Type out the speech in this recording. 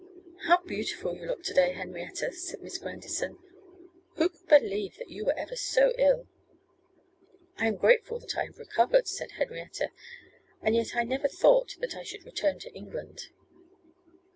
'How beautiful you look to day, Henrietta!' said Miss Grandison. 'Who could believe that you ever were so ill!' 'I am grateful that I have recovered,' said Henrietta. 'And yet I never thought that I should return to England.